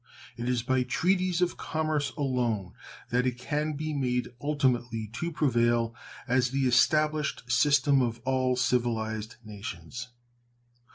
It is by treaties of commerce alone that it can be made ultimately to prevail as the established system of all civilized nations.